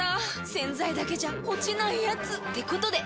⁉洗剤だけじゃ落ちないヤツってことで。